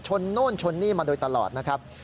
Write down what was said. โน่นชนนี่มาโดยตลอดนะครับ